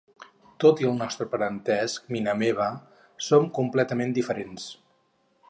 Tot i el nostre parentesc, Mina meva, som completament diferents.